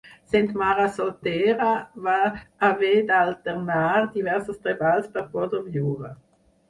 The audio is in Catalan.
Sent mare soltera va haver d'alternar diversos treballs per poder viure.